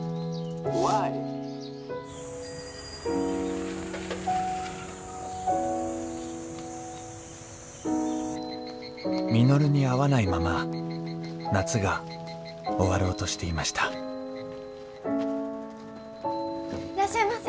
「Ｗｈｙ？」．稔に会わないまま夏が終わろうとしていましたいらっしゃいませ。